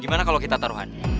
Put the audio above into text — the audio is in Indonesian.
gimana kalau kita taruhan